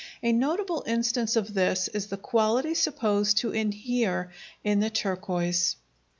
A notable instance of this is the quality supposed to inhere in the turquoise.